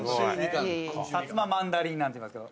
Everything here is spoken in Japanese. サツママンダリンなんていいますけど。